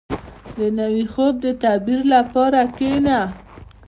• د نوي خوب د تعبیر لپاره کښېنه.